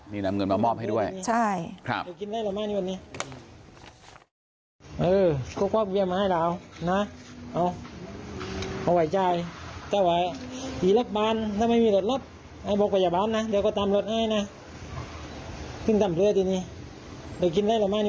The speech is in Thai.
นี่นำเงินมามอบให้ด้วยนะฮะครับใช่